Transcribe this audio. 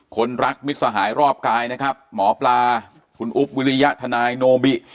คนรักมิตรสหายรอบกายนะครับหมอปลาคุณอุ๊บวิริยะทนายโนบิ